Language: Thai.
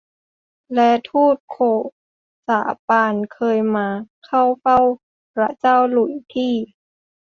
และฑูตโกษาปานเคยมาเข้าเฝ้าพระเจ้าหลุยส์ที่